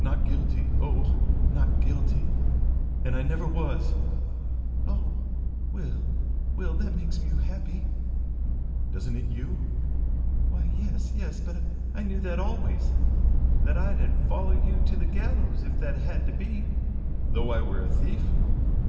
Not guilty oh, not guilty! And I never was!" "Oh, Will, Will! That makes you happy?" "Doesn't it you?" "Why, yes, yes! But I knew that always! And I know now that I'd have followed you to the gallows if that had had to be." "Though I were a thief?"